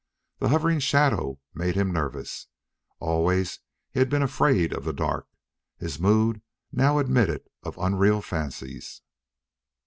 The hovering shadows made him nervous. Always he had been afraid of the dark. His mood now admitted of unreal fancies.